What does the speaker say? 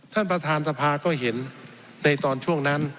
ท่านประธานสภาก็เห็นในตอนช่วงนั้น